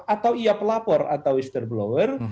atau ia pelapor atau whistleblower